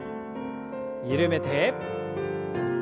緩めて。